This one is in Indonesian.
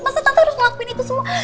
pasti tante harus ngelakuin itu semua